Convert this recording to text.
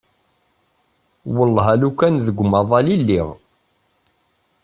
Wellah alukan deg umaḍal i lliɣ.